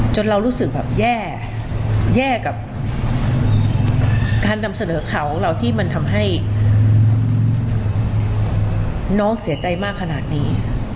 เรารู้สึกแบบแย่กับการนำเสนอข่าวของเราที่มันทำให้น้องเสียใจมากขนาดนี้